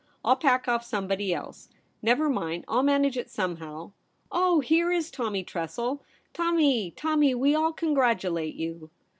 I'll pack off somebody else. Never mind ; I'll manage it somehow. Oh, here is Tommy Tressel ! Tommy, Tommy, we all congratulate you